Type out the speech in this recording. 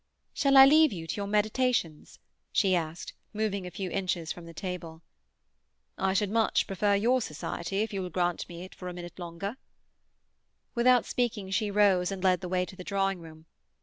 "Shall I leave you to your meditations?" she asked, moving a few inches from the table. "I should much prefer your society, if you will grant it me for a little longer." Without speaking, she rose and led the way to the drawing room.